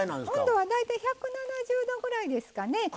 温度は大体１７０℃ぐらいですかね。